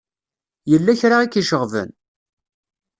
Yella kra i k-iceɣben?